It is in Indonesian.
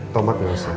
tomat gak usah